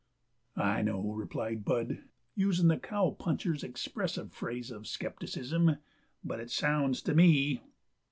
"I know," replied Bud, using the cowpuncher's expressive phrase of skepticism, "but it sounds to me!"